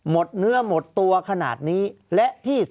ภารกิจสรรค์ภารกิจสรรค์